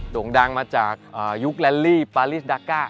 โด่งดังมาจากยุคลัลลี่ป้าลิสดาค้า